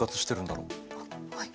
はい。